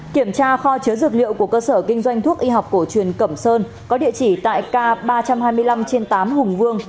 kiểm tra kho chứa dược liệu của cơ sở kinh doanh thuốc y học cổ truyền cẩm sơn có địa chỉ tại k ba trăm hai mươi năm trên tám hùng vương